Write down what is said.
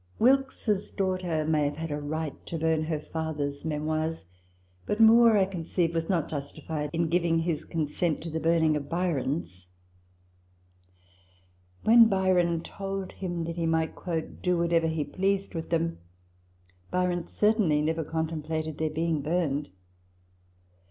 Wilkes's daughter may have had a right to burn her father's " Memoirs ";* but Moore, I conceive, was not justified in giving his consent to the burning of Byron's : when Byron told him that he might " do whatever he pleased with them," Byron cer tainly never contemplated their being burned.